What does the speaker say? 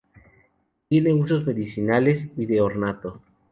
Tiene usos medicinales y de ornato.